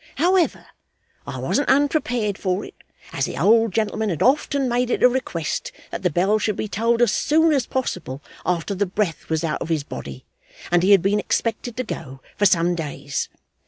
However, I wasn't unprepared for it; as the old gentleman had often made it a request that the bell should be tolled as soon as possible after the breath was out of his body, and he had been expected to go for some days.